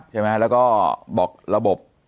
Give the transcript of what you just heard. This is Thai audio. ใช่ไหมแล้วก็บอกระบบ